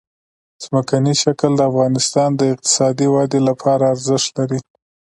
ځمکنی شکل د افغانستان د اقتصادي ودې لپاره ارزښت لري.